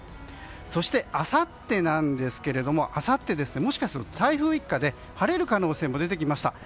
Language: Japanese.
そして、あさってなんですがもしかすると台風一過で晴れる可能性も出てきました。